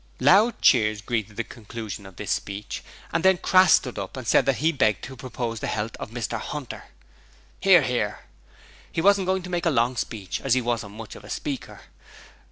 Loud cheers greeted the conclusion of this speech, and then Crass stood up and said that he begged to propose the health of Mr 'Unter. (Hear, hear.) He wasn't going to make a long speech as he wasn't much of a speaker.